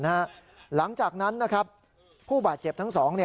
หลังจากนั้นผู้บาดเจ็บทั้งสอง